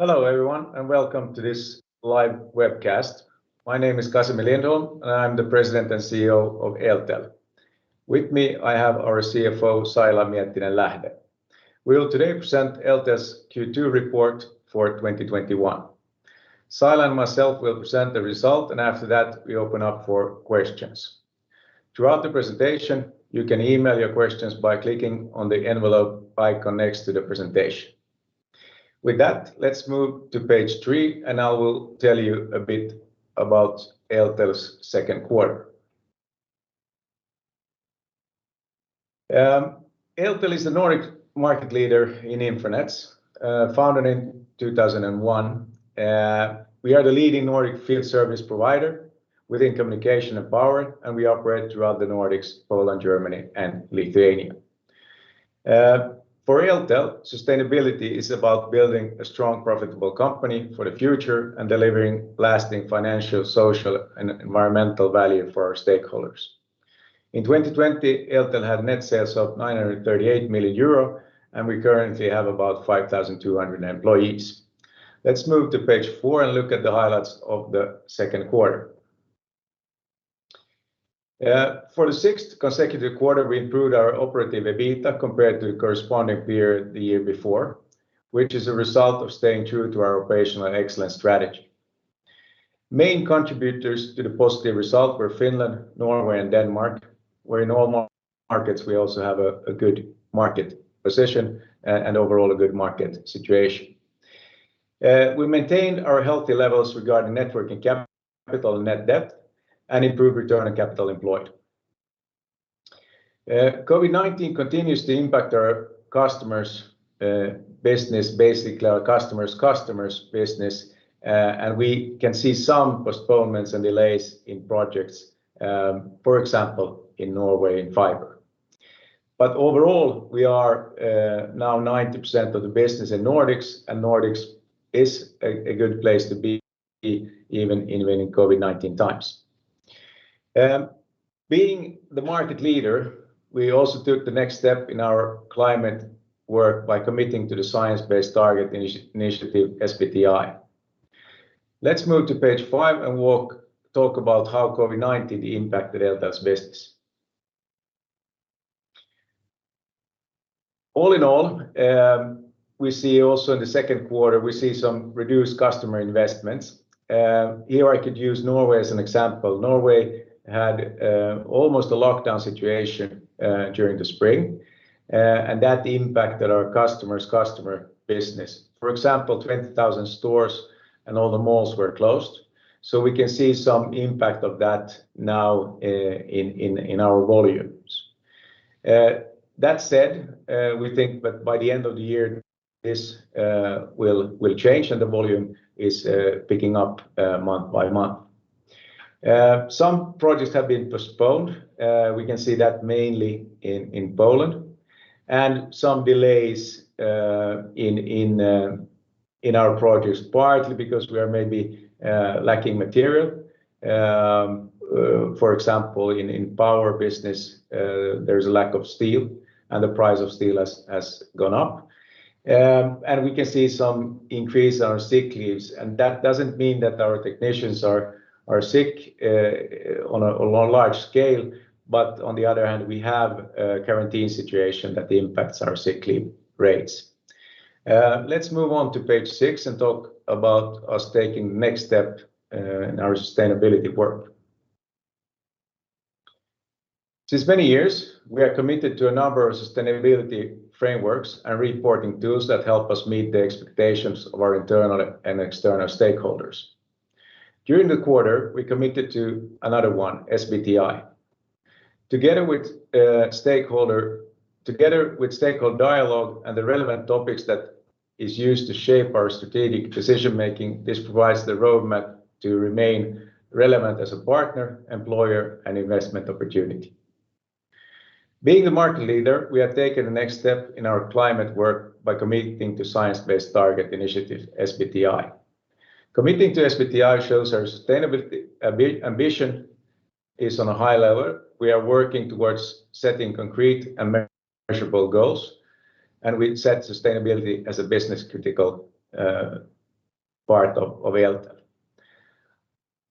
Hello, everyone, and welcome to this live webcast. My name is Casimir Lindholm, and I'm the President and Chief Executive Officer of Eltel. With me, I have our CFO, Saila Miettinen-Lähde. We will today present Eltel's Q2 report for 2021. Saila and myself will present the result. After that, we open up for questions. Throughout the presentation, you can email your questions by clicking on the envelope icon next to the presentation. With that, let's move to page three, and I will tell you a bit about Eltel's second quarter. Eltel is the Nordic market leader in infranets, founded in 2001. We are the leading Nordic field service provider within communication and power, and we operate throughout the Nordics, Poland, Germany, and Lithuania. For Eltel, sustainability is about building a strong, profitable company for the future and delivering lasting financial, social, and environmental value for our stakeholders. In 2020, Eltel had net sales of 938 million euro, and we currently have about 5,200 employees. Let's move to page four and look at the highlights of the second quarter. For the sixth consecutive quarter, we improved our Operating EBITDA compared to the corresponding period the year before, which is a result of staying true to our operational excellence strategy. Main contributors to the positive result were Finland, Norway, and Denmark, where in all markets we also have a good market position and overall a good market situation. We maintained our healthy levels regarding net working capital and net debt and improved return on capital employed. COVID-19 continues to impact our customers' business, basically our customers' customers' business, and we can see some postponements and delays in projects. For example, in Norway in fiber. Overall, we are now 90% of the business in Nordics, and Nordics is a good place to be even in COVID-19 times. Being the market leader, we also took the next step in our climate work by committing to the Science Based Targets initiative, SBTi. Let's move to page five and we'll talk about how COVID-19 impacted Eltel's business. All in all, we see also in the second quarter, we see some reduced customer investments. Here I could use Norway as an example. Norway had almost a lockdown situation during the spring, and that impacted our customers' customer business. For example, 20,000 stores and all the malls were closed, so we can see some impact of that now in our volumes. That said, we think that by the end of the year, this will change and the volume is picking up month by month. Some projects have been postponed. We can see that mainly in Poland. Some delays in our projects, partly because we are maybe lacking material. For example, in power business, there's a lack of steel and the price of steel has gone up. We can see some increase on our sick leaves, and that doesn't mean that our technicians are sick on a large scale, but on the other hand, we have a quarantine situation that impacts our sick leave rates. Let's move on to page six and talk about us taking the next step in our sustainability work. Since many years, we are committed to a number of sustainability frameworks and reporting tools that help us meet the expectations of our internal and external stakeholders. During the quarter, we committed to another one, SBTi. Together with stakeholder dialogue and the relevant topics that is used to shape our strategic decision-making, this provides the roadmap to remain relevant as a partner, employer and investment opportunity. Being the market leader, we have taken the next step in our climate work by committing to Science-Based Targets initiative, SBTi. Committing to SBTi shows our sustainability ambition is on a high level. We are working towards setting concrete and measurable goals. We set sustainability as a business-critical part of Eltel.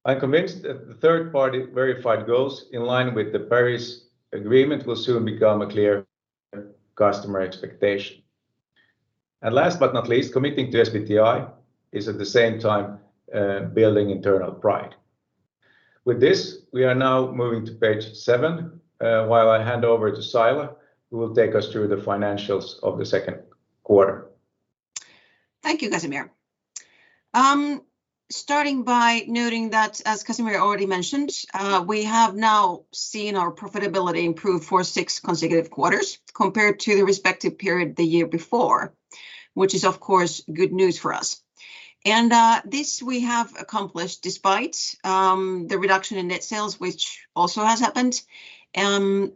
I'm convinced that the third-party verified goals in line with the Paris Agreement will soon become a clear customer expectation. Last but not least, committing to SBTi is at the same time building internal pride. With this, we are now moving to page seven while I hand over to Saila, who will take us through the financials of the second quarter. Thank you, Casimir. Starting by noting that, as Casimir already mentioned, we have now seen our profitability improve for six consecutive quarters compared to the respective period the year before, which is of course good news for us. This we have accomplished despite the reduction in net sales, which also has happened. The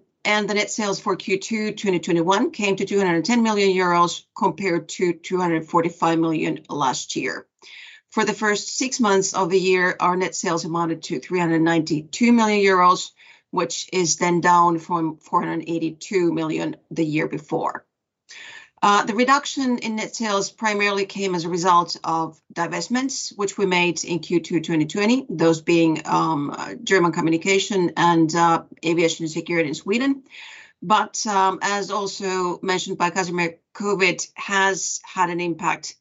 net sales for Q2 2021 came to 210 million euros compared to 245 million last year. For the first six months of the year, our net sales amounted to 392 million euros, which is then down from 482 million the year before. The reduction in net sales primarily came as a result of divestments, which we made in Q2 2020, those being German communication and aviation security in Sweden. As also mentioned by Casimir, COVID has had an impact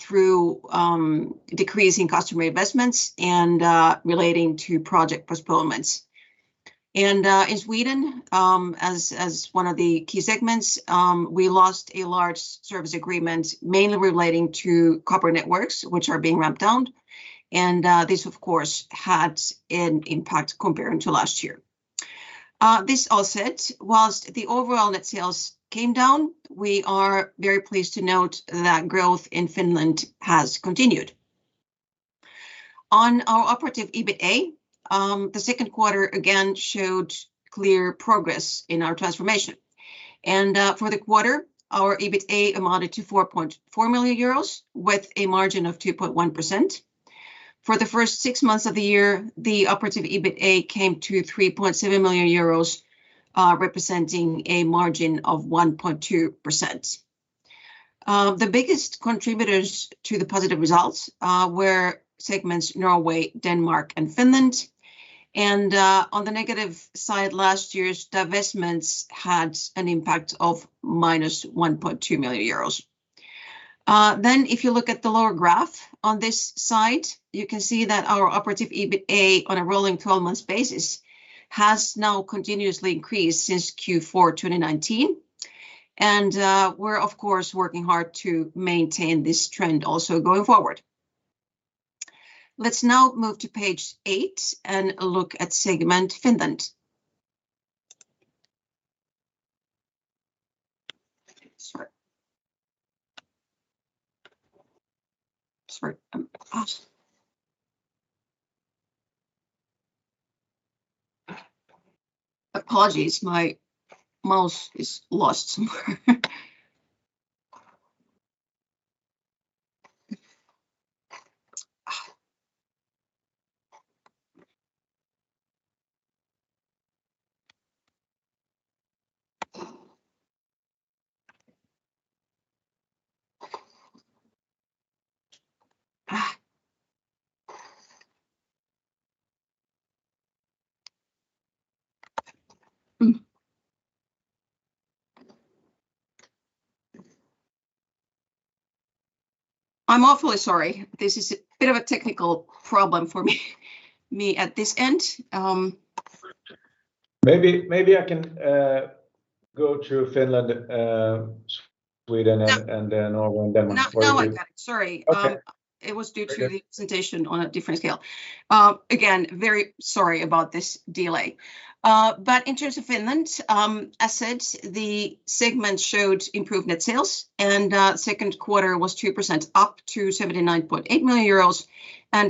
through decreasing customer investments and relating to project postponements. In Sweden, as one of the key segments, we lost a large service agreement mainly relating to copper networks, which are being ramped down. This, of course, had an impact compared to last year. This all said, whilst the overall net sales came down, we are very pleased to note that growth in Finland has continued. On our Operative EBITA, the second quarter again showed clear progress in our transformation. For the quarter, our EBITA amounted to 4.4 million euros with a margin of 2.1%. For the first six months of the year, the Operative EBITA came to 3.7 million euros, representing a margin of 1.2%. The biggest contributors to the positive results were segments Norway, Denmark, and Finland. On the negative side, last year's divestments had an impact of -1.2 million euros. If you look at the lower graph on this side, you can see that our Operative EBITA on a rolling 12 months basis has now continuously increased since Q4 2019. We're of course working hard to maintain this trend also going forward. Let's now move to page eight and look at segment Finland. Sorry. Apologies, my mouse is lost somewhere. I'm awfully sorry. This is a bit of a technical problem for me at this end. Maybe I can go to Finland, Sweden. Yep. Norway and Denmark. Now I've got it. Sorry. Okay. It was due to the presentation on a different scale. Again, very sorry about this delay. In terms of Finland, as said, the segment showed improved net sales, and second quarter was 2% up to 79.8 million euros.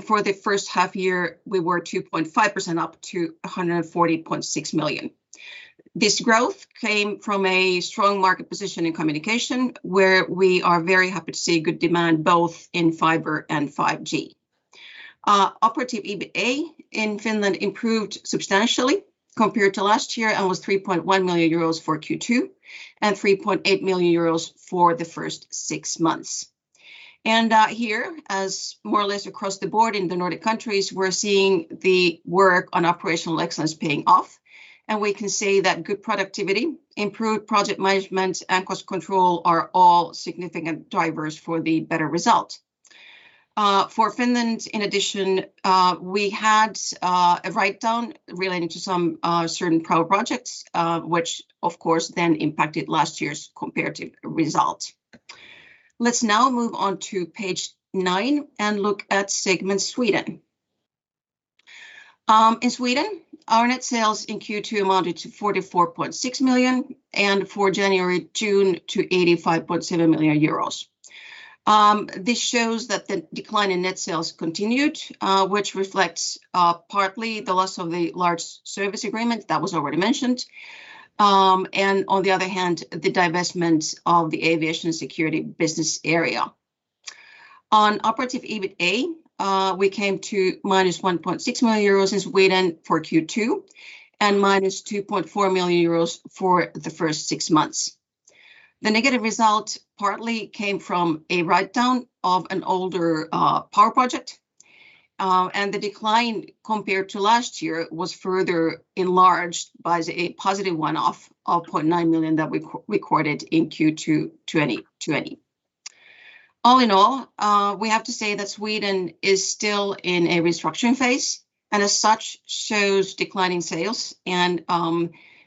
For the first half year, we were 2.5% up to 140.6 million. This growth came from a strong market position in communication, where we are very happy to see good demand both in fiber and 5G. Operative EBITA in Finland improved substantially compared to last year and was 3.1 million euros for Q2 and 3.8 million euros for the first six months. Here, as more or less across the board in the Nordic countries, we're seeing the work on operational excellence paying off, and we can say that good productivity, improved project management, and cost control are all significant drivers for the better result. For Finland, in addition, we had a write-down relating to some certain power projects, which of course then impacted last year's comparative result. Let's now move on to page nine and look at segment Sweden. In Sweden, our net sales in Q2 amounted to 44.6 million, and for January, June to 85.7 million euros. This shows that the decline in net sales continued, which reflects partly the loss of the large service agreement that was already mentioned. On the other hand, the divestment of the aviation security business area. On Operative EBITA, we came to -1.6 million euros in Sweden for Q2 and -2.4 million euros for the first six months. The negative result partly came from a write-down of an older power project, and the decline compared to last year was further enlarged by the positive one-off of 0.9 million that we recorded in Q2 2020. All in all, we have to say that Sweden is still in a restructuring phase, and as such, shows declining sales and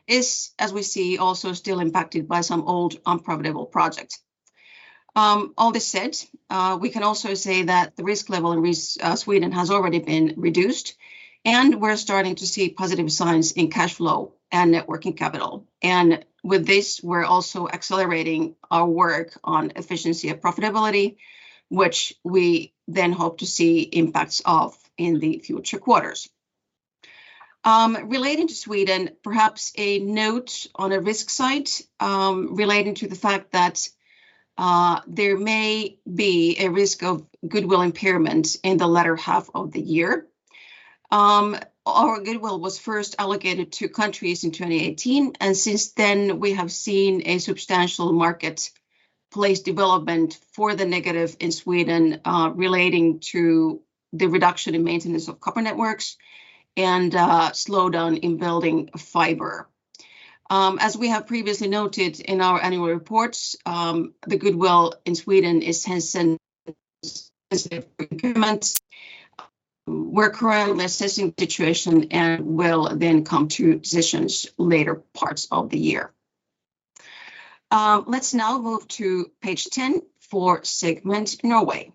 is, as we see, also still impacted by some old unprofitable projects. All this said, we can also say that the risk level in Sweden has already been reduced, and we're starting to see positive signs in cash flow and net working capital. With this, we're also accelerating our work on efficiency and profitability, which we then hope to see impacts of in the future quarters. Relating to Sweden, perhaps a note on a risk site relating to the fact that there may be a risk of goodwill impairment in the latter half of the year. Our goodwill was first allocated to countries in 2018. Since then, we have seen a substantial marketplace development for the negative in Sweden relating to the reduction in maintenance of copper networks and slowdown in building fiber. As we have previously noted in our annual reports, the goodwill in Sweden is sensitive. We're currently assessing the situation and will then come to decisions later parts of the year. Let's now move to page 10 for segment Norway.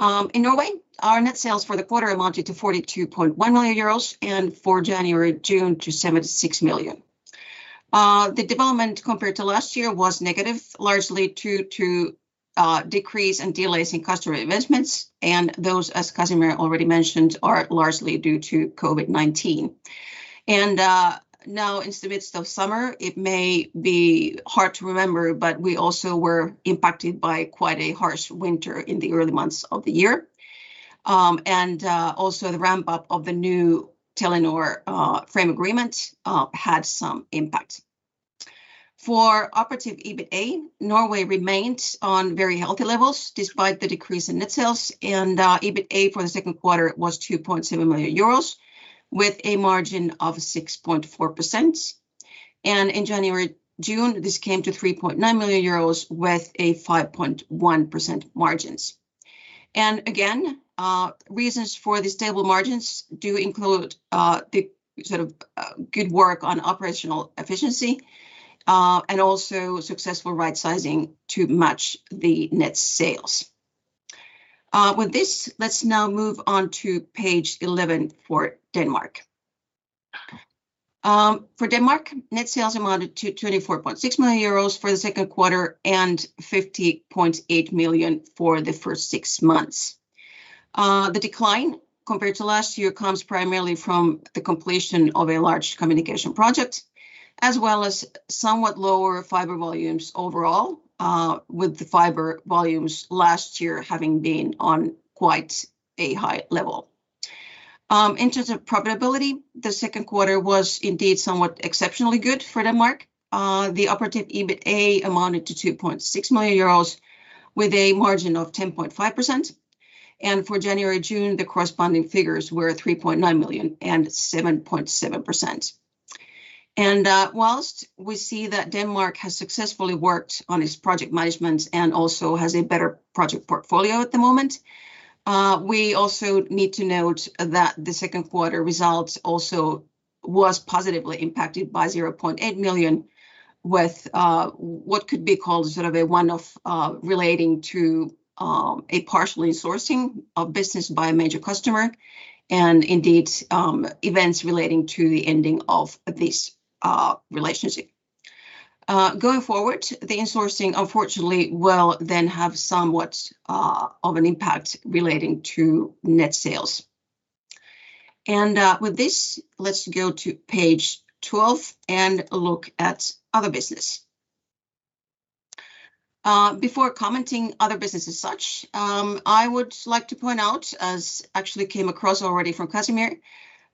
In Norway, our net sales for the quarter amounted to 42.1 million euros and for January to June to 76 million. The development compared to last year was negative, largely due to decrease and delays in customer investments, and those, as Casimir already mentioned, are largely due to COVID-19. Now in the midst of summer, it may be hard to remember, but we also were impacted by quite a harsh winter in the early months of the year. Also the ramp-up of the new Telenor frame agreement had some impact. For Operative EBITA, Norway remains on very healthy levels despite the decrease in net sales and EBITA for the second quarter was 2.7 million euros with a margin of 6.4%. In January to June, this came to 3.9 million euros with a 5.1% margins. Again, reasons for the stable margins do include the good work on operational efficiency, and also successful right sizing to match the net sales. With this, let's now move on to page 11 for Denmark. For Denmark, net sales amounted to 24.6 million euros for the second quarter and 15.8 million for the first six months. The decline compared to last year comes primarily from the completion of a large communication project, as well as somewhat lower fiber volumes overall, with the fiber volumes last year having been on quite a high level. In terms of profitability, the second quarter was indeed somewhat exceptionally good for Denmark. The Operative EBITA amounted to 2.6 million euros with a margin of 10.5%. For January to June, the corresponding figures were 3.9 million and 7.7%. Whilst we see that Denmark has successfully worked on its project management and also has a better project portfolio at the moment, we also need to note that the second quarter results also was positively impacted by 0.8 million with what could be called a one-off relating to a partial insourcing of business by a major customer and indeed, events relating to the ending of this relationship. Going forward, the insourcing unfortunately will then have somewhat of an impact relating to net sales. With this, let's go to page 12 and look at other business. Before commenting other business as such, I would like to point out, as actually came across already from Casimir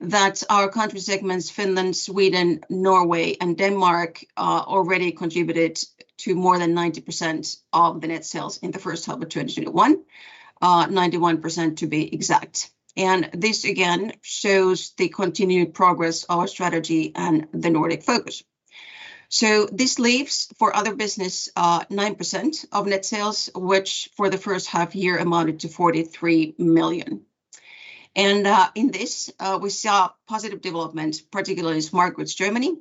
Lindholm, that our country segments, Finland, Sweden, Norway and Denmark, already contributed to more than 90% of the net sales in the first half of 2021, 91% to be exact. This again shows the continued progress of our strategy and the Nordic focus. This leaves for other business 9% of net sales, which for the first half year amounted to 43 million. In this, we saw positive development, particularly in Smart Grids Germany,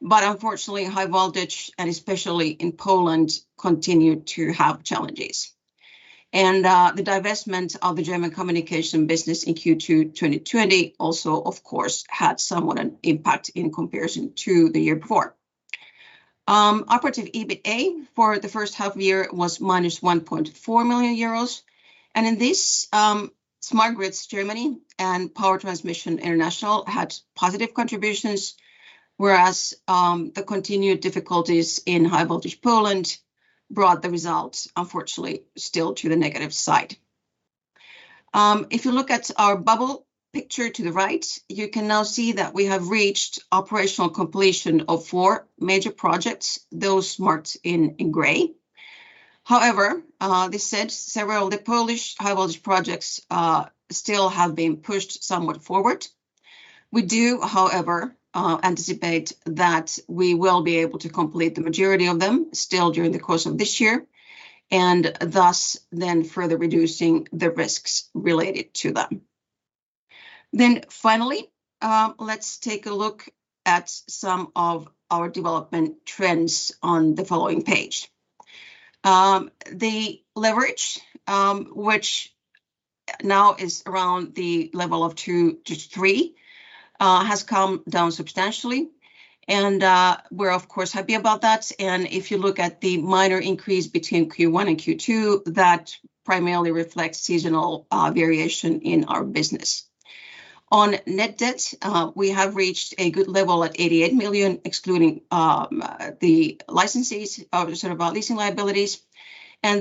but unfortunately High Voltage and especially in Poland continued to have challenges. The divestment of the German communication business in Q2 2020 also of course had somewhat an impact in comparison to the year before. Operative EBITA for the first half year was -1.4 million euros, and in this, Smart Grids Germany and Power Transmission International had positive contributions, whereas the continued difficulties in High Voltage Poland brought the results, unfortunately, still to the negative side. If you look at our bubble picture to the right, you can now see that we have reached operational completion of four major projects, those marked in gray. However, this said, several of the Polish High Voltage projects still have been pushed somewhat forward. We do, however, anticipate that we will be able to complete the majority of them still during the course of this year, and thus then further reducing the risks related to them. Finally, let's take a look at some of our development trends on the following page. The leverage, which now is around the level of two to three has come down substantially, and we're of course happy about that. If you look at the minor increase between Q1 and Q2, that primarily reflects seasonal variation in our business. On net debt, we have reached a good level at 88 million, excluding the licenses, sorry, our leasing liabilities. On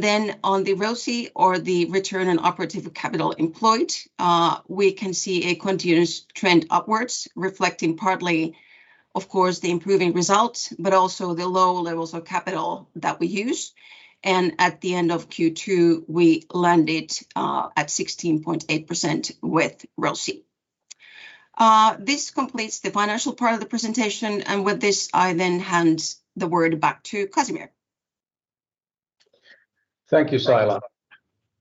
the ROCE, or the return on operative capital employed, we can see a continuous trend upwards, reflecting partly, of course, the improving results, but also the low levels of capital that we use. At the end of Q2, we landed at 16.8% with ROCE. This completes the financial part of the presentation. With this, I then hand the word back to Casimir. Thank you, Saila.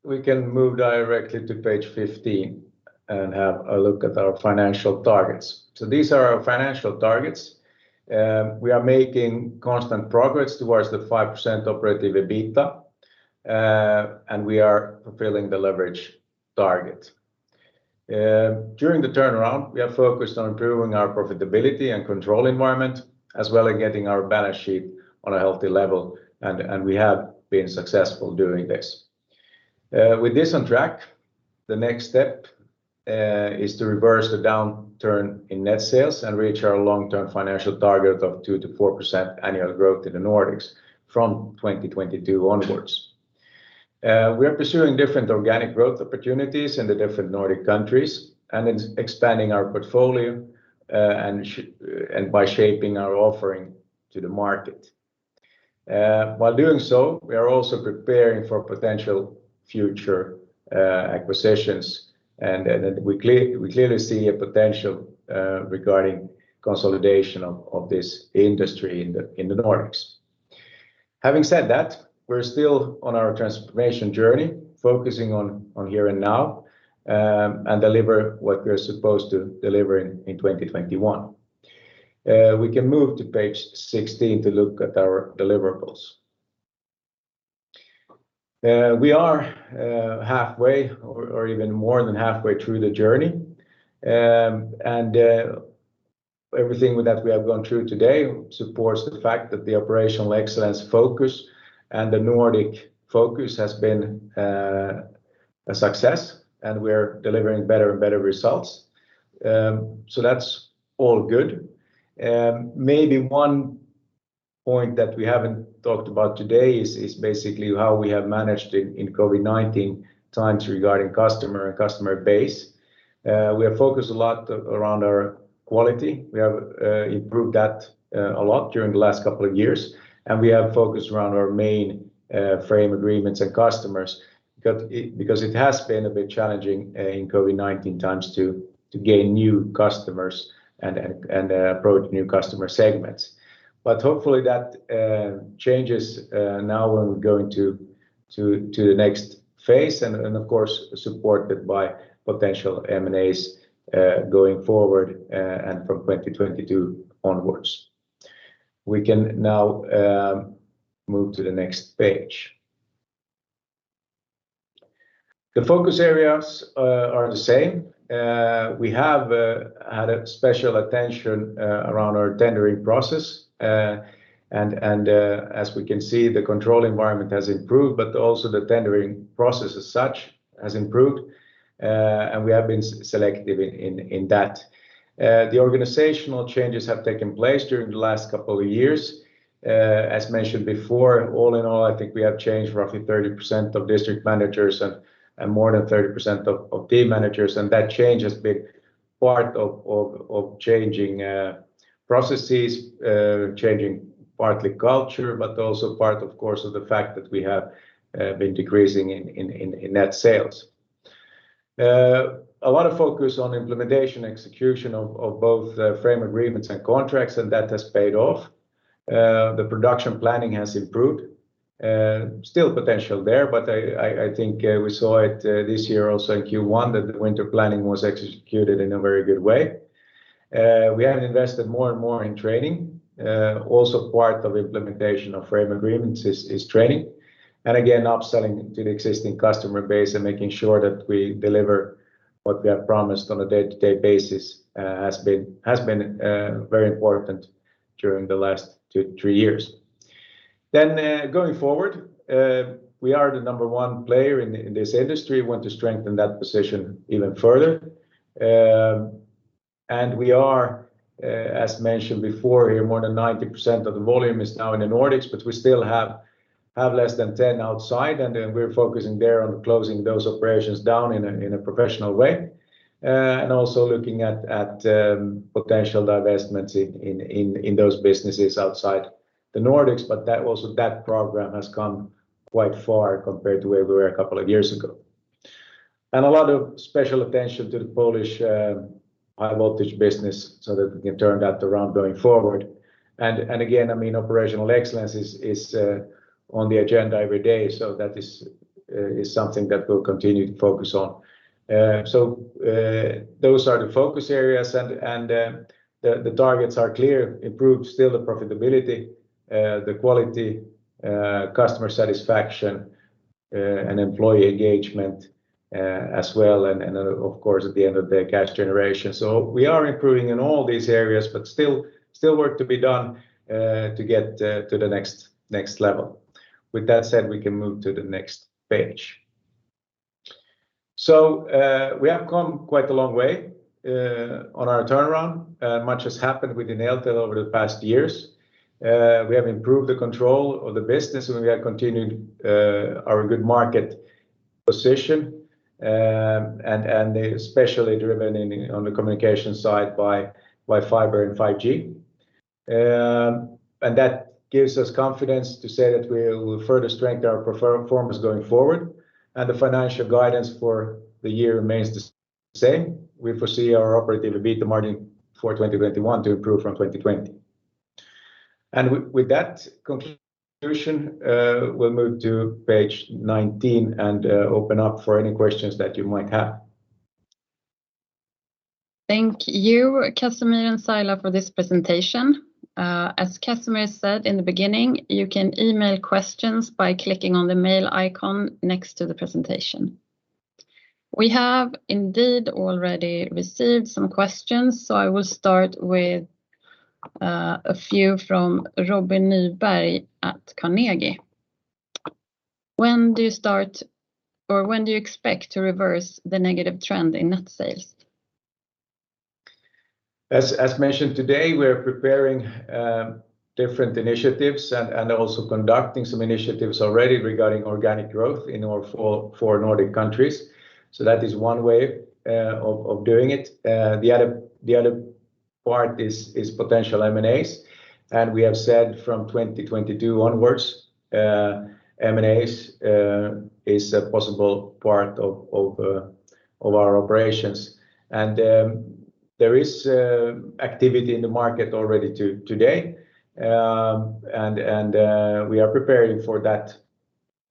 We can move directly to page 15 and have a look at our financial targets. These are our financial targets. We are making constant progress towards the 5% Operating EBITDA, and we are fulfilling the leverage target. During the turnaround, we have focused on improving our profitability and control environment, as well as getting our balance sheet on a healthy level, and we have been successful doing this. With this on track, the next step is to reverse the downturn in net sales and reach our long-term financial target of 2%-4% annual growth in the Nordics from 2022 onwards. We are pursuing different organic growth opportunities in the different Nordic countries, and expanding our portfolio and by shaping our offering to the market. While doing so, we are also preparing for potential future acquisitions and we clearly see a potential regarding consolidation of this industry in the Nordics. Having said that, we're still on our transformation journey, focusing on here and now, and deliver what we're supposed to deliver in 2021. We can move to page 16 to look at our deliverables. We are halfway or even more than halfway through the journey. Everything that we have gone through today supports the fact that the operational excellence focus and the Nordic focus has been a success, and we're delivering better and better results. That's all good. Maybe one point that we haven't talked about today is basically how we have managed in COVID-19 times regarding customer and customer base. We have focused a lot around our quality. We have improved that a lot during the last couple of years, and we have focused around our main frame agreements and customers because it has been a bit challenging in COVID-19 times to gain new customers and approach new customer segments. Hopefully, that changes now when we're going to the next phase and of course, supported by potential M&As going forward and from 2022 onwards. We can now move to the next page. The focus areas are the same. We have had special attention around our tendering process. As we can see, the control environment has improved, but also the tendering process as such has improved. We have been selective in that. The organizational changes have taken place during the last couple of years. As mentioned before, all in all, I think we have changed roughly 30% of district managers and more than 30% of team managers. That change has been part of changing processes, changing partly culture, but also part of course, of the fact that we have been decreasing in net sales. A lot of focus on implementation, execution of both frame agreements and contracts. That has paid off. The production planning has improved. Still potential there, I think we saw it this year also in Q1 that the winter planning was executed in a very good way. We have invested more and more in training. Also part of implementation of frame agreements is training. Again, upselling to the existing customer base and making sure that we deliver what we have promised on a day-to-day basis has been very important during the last two, three years. Going forward, we are the number one player in this industry. We want to strengthen that position even further. We are, as mentioned before here, more than 90% of the volume is now in the Nordics, but we still have less than 10 outside, and we're focusing there on closing those operations down in a professional way. Also looking at potential divestments in those businesses outside the Nordics, but that program has come quite far compared to where we were a couple of years ago. A lot of special attention to the Polish High Voltage business so that we can turn that around going forward. Again, operational excellence is on the agenda every day, so that is something that we'll continue to focus on. Those are the focus areas, and the targets are clear. Improve still the profitability, the quality, customer satisfaction and employee engagement as well, and of course, at the end of the cash generation. We are improving in all these areas, but still work to be done to get to the next level. With that said, we can move to the next page. We have come quite a long way on our turnaround. Much has happened within Eltel over the past years. We have improved the control of the business, and we have continued our good market position, and especially driven on the communication side by fiber and 5G. That gives us confidence to say that we will further strengthen our performance going forward, and the financial guidance for the year remains the same. We foresee our Operating EBITDA margin for 2021 to improve from 2020. With that conclusion, we will move to page 19 and open up for any questions that you might have. Thank you, Casimir and Saila, for this presentation. As Casimir said in the beginning, you can email questions by clicking on the mail icon next to the presentation. We have indeed already received some questions. I will start with a few from Robin Nyberg at Carnegie. When do you expect to reverse the negative trend in net sales? As mentioned today, we're preparing different initiatives and also conducting some initiatives already regarding organic growth in all four Nordic countries. That is one way of doing it. The other part is potential M&As. We have said from 2022 onwards, M&As is a possible part of our operations. There is activity in the market already today. We are preparing for that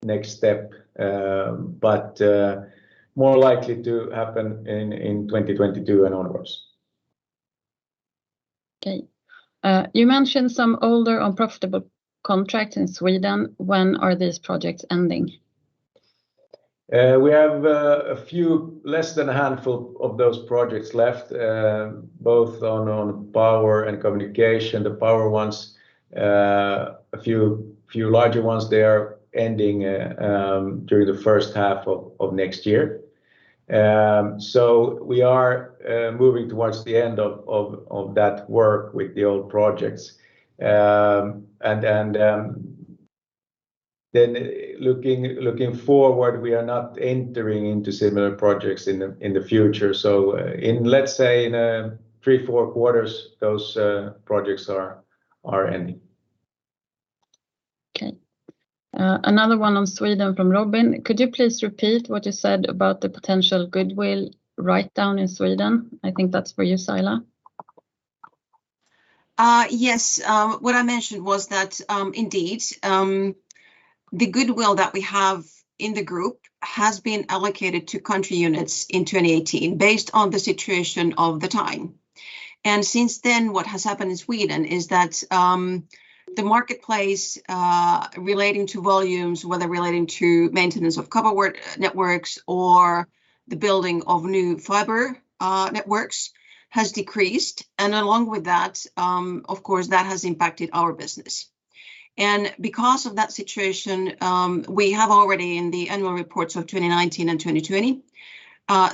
next step, but more likely to happen in 2022 and onwards. Okay. You mentioned some older unprofitable contract in Sweden. When are these projects ending? We have a few, less than a handful of those projects left, both on power and communication. The power ones, a few larger ones there, ending during the first half of next year. We are moving towards the end of that work with the old projects. Looking forward, we are not entering into similar projects in the future. Let's say in three, four quarters, those projects are ending. Okay. Another one on Sweden from Robin. Could you please repeat what you said about the potential goodwill writedown in Sweden? I think that's for you, Saila. Yes. What I mentioned was that indeed, the goodwill that we have in the group has been allocated to country units in 2018 based on the situation of the time. Since then, what has happened in Sweden is that the marketplace relating to volumes, whether relating to maintenance of copper networks or the building of new fiber networks, has decreased. Along with that, of course, that has impacted our business. Because of that situation, we have already in the annual reports of 2019 and 2020,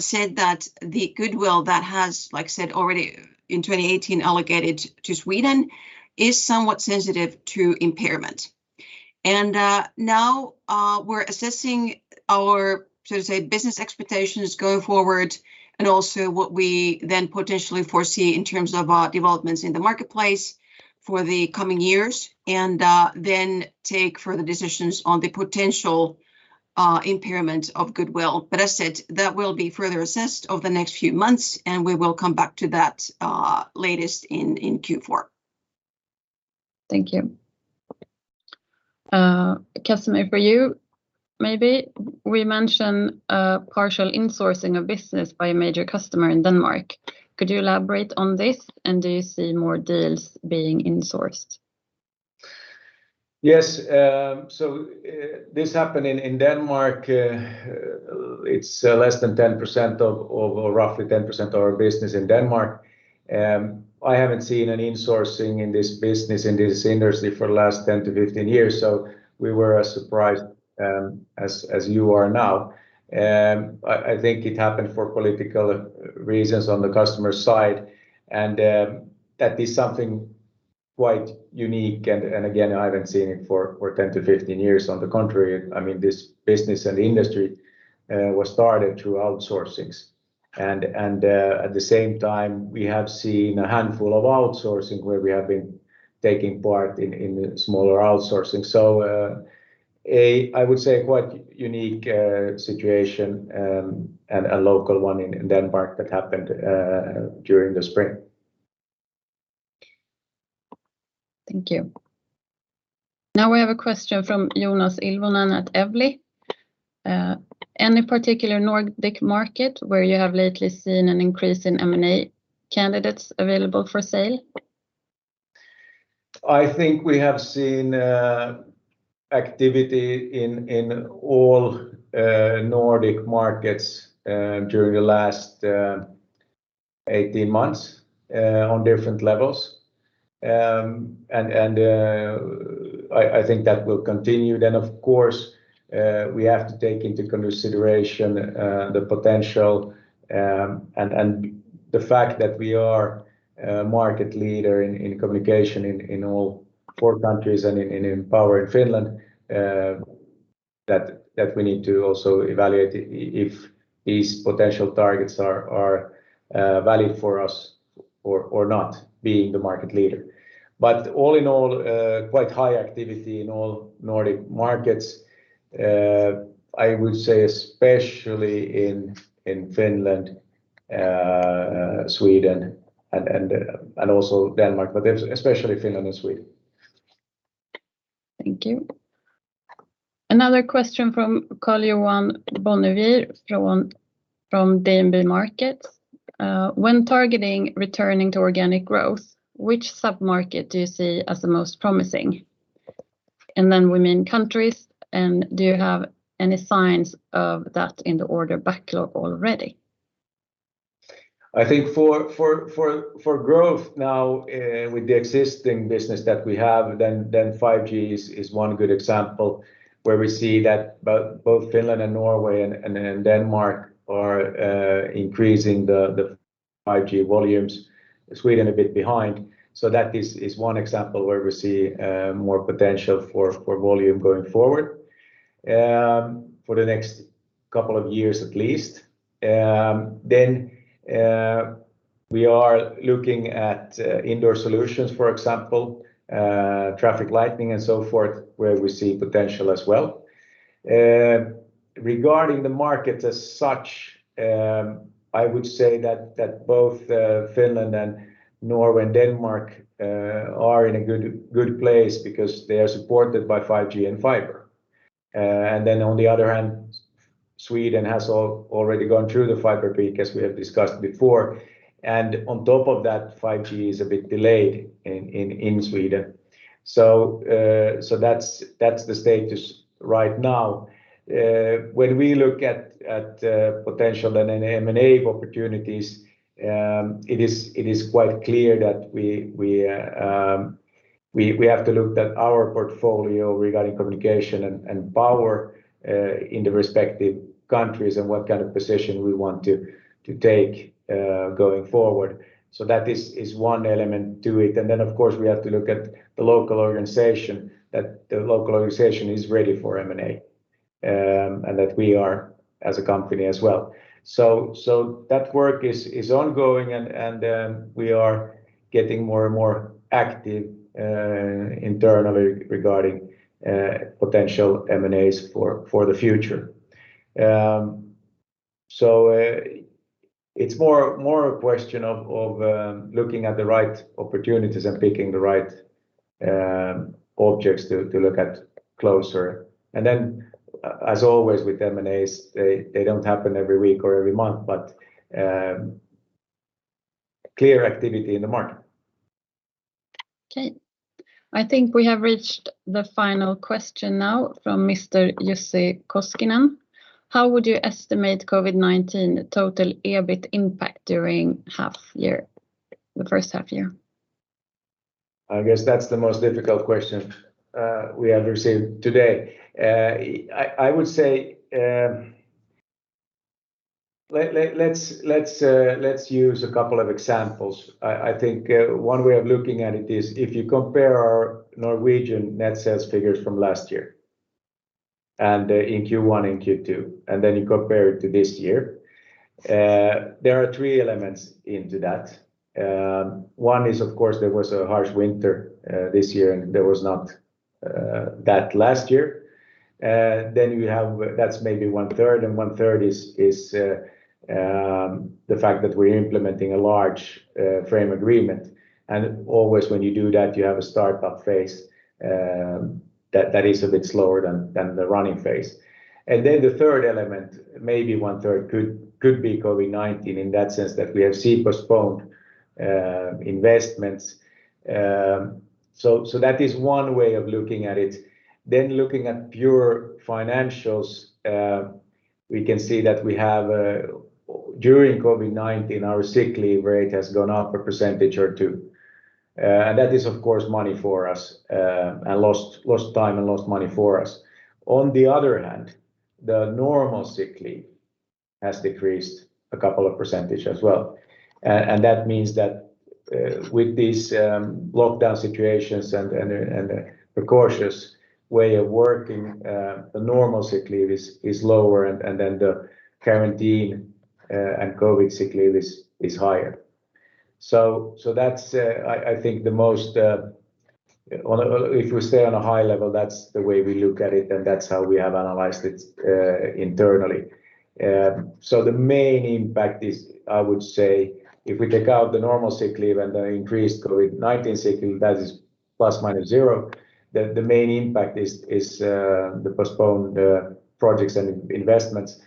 said that the goodwill that has, like I said, already in 2018 allocated to Sweden is somewhat sensitive to impairment. Now we're assessing our, so to say, business expectations going forward and also what we then potentially foresee in terms of developments in the marketplace for the coming years and then take further decisions on the potential impairment of goodwill. As said, that will be further assessed over the next few months, and we will come back to that latest in Q4. Thank you. Casimir, for you maybe. We mentioned a partial insourcing of business by a major customer in Denmark. Could you elaborate on this? Do you see more deals being insourced? Yes. This happened in Denmark. It's roughly 10% of our business in Denmark. I haven't seen an insourcing in this business, in this industry for the last 10 to 15 years, so we were as surprised as you are now. I think it happened for political reasons on the customer's side. That is something quite unique, and again, I haven't seen it for 10 to 15 years. On the contrary, this business and industry was started through outsourcings. At the same time, we have seen a handful of outsourcing where we have been taking part in smaller outsourcing. I would say quite unique situation, and a local one in Denmark that happened during the spring. Thank you. Now we have a question from Joonas Ilvonen at Evli. Any particular Nordic market where you have lately seen an increase in M&A candidates available for sale? I think we have seen activity in all Nordic markets during the last 18 months on different levels. I think that will continue. Of course, we have to take into consideration the potential and the fact that we are a market leader in communication in all four countries and in power in Finland. That we need to also evaluate if these potential targets are valid for us or not, being the market leader. All in all, quite high activity in all Nordic markets. I would say especially in Finland, Sweden and also Denmark. Especially Finland and Sweden. Thank you. Another question from Karl-Johan Bonnevier from DNB Markets. When targeting returning to organic growth, which sub-market do you see as the most promising? We mean countries. Do you have any signs of that in the order backlog already? I think for growth now with the existing business that we have, 5G is one good example where we see that both Finland and Norway and Denmark are increasing the 5G volumes. Sweden a bit behind. That is one example where we see more potential for volume going forward for the next couple of years at least. We are looking at indoor solutions, for example, traffic lighting and so forth, where we see potential as well. Regarding the market as such, I would say that both Finland and Norway and Denmark are in a good place because they are supported by 5G and fiber. On the other hand, Sweden has already gone through the fiber peak as we have discussed before. On top of that, 5G is a bit delayed in Sweden. That's the status right now. When we look at potential and M&A opportunities, it is quite clear that we have to look at our portfolio regarding communication and power in the respective countries and what kind of position we want to take going forward. That is one element to it. Of course, we have to look at the local organization. That the local organization is ready for M&A and that we are as a company as well. That work is ongoing and we are getting more and more active internally regarding potential M&As for the future. It's more a question of looking at the right opportunities and picking the right objects to look at closer. As always with M&As, they don't happen every week or every month, but clear activity in the market. Okay. I think we have reached the final question now from Mr. Jussi Koskinen. How would you estimate COVID-19 total EBIT impact during the first half year? I guess that's the most difficult question we have received today. I would say, let's use a couple of examples. I think one way of looking at it is if you compare our Norwegian net sales figures from last year in Q1 and Q2, then you compare it to this year. There are three elements into that. One is, of course, there was a harsh winter this year, and there was not that last year. That's maybe one third and one third is the fact that we're implementing a large frame agreement. Always when you do that, you have a startup phase that is a bit slower than the running phase. Then the third element, maybe one third could be COVID-19 in that sense that we have seen postponed investments. That is one way of looking at it. Looking at pure financials, we can see that during COVID-19, our sick leave rate has gone up 1% or 2%. That is, of course, lost time and lost money for us. On the other hand, the normal sick leave has decreased a couple of percentage as well. That means that with these lockdown situations and the cautious way of working, the normal sick leave is lower and the quarantine and COVID sick leave is higher. I think if we stay on a high level, that's the way we look at it and that's how we have analyzed it internally. The main impact is, I would say if we take out the normal sick leave and the increased COVID-19 sick leave, that is ±0. The main impact is the postponed projects and investments.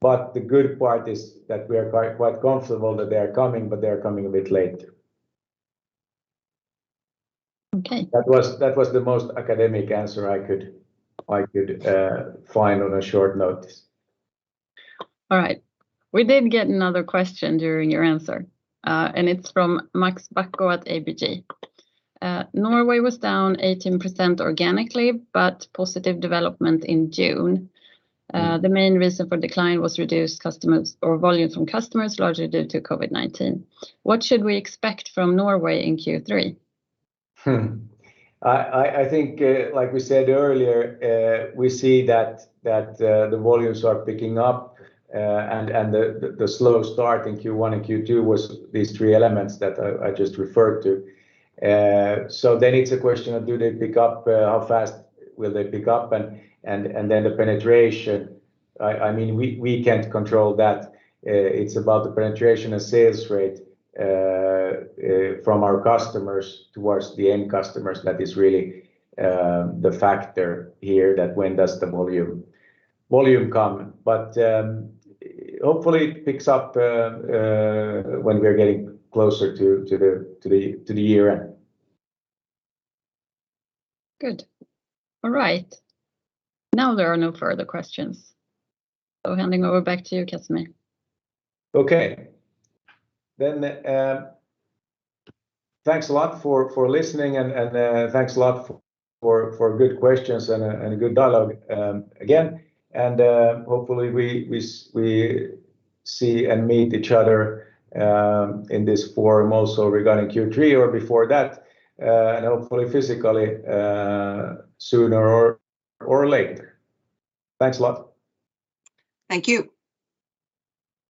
The good part is that we are quite comfortable that they are coming, but they are coming a bit late. Okay. That was the most academic answer I could find on a short notice. All right. We did get another question during your answer. It's from Max Backman at ABG. Norway was down 18% organically, but positive development in June. The main reason for decline was reduced volume from customers, largely due to COVID-19. What should we expect from Norway in Q3? I think, like we said earlier, we see that the volumes are picking up. The slow start in Q1 and Q2 was these three elements that I just referred to. It's a question of how fast will they pick up, and then the penetration. We can't control that. It's about the penetration and sales rate from our customers towards the end customers. That is really the factor here, that when does the volume come. Hopefully it picks up when we're getting closer to the year-end. Good. All right. Now there are no further questions. Handing over back to you, Casimir. Okay. Thanks a lot for listening and thanks a lot for good questions and a good dialogue again. Hopefully we see and meet each other in this forum also regarding Q3 or before that, and hopefully physically, sooner or later. Thanks a lot. Thank you.